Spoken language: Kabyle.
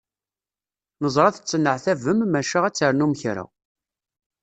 Neẓra tettenɛettabem maca ad ternum kra.